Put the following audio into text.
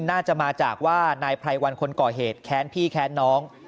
น่าจะมาจากว่านายไพรวันคนก่อเหตุแค้นพี่แค้นน้อง